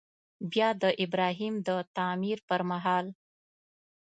بیا د ابراهیم د تعمیر پر مهال.